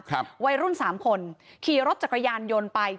วัยรุ่นสามคนขี่รถจักรยานยนต์ไป